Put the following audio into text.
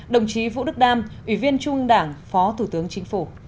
đồng chí vũ đức đam ủy viên trung ương đảng phó thủ tướng chính phủ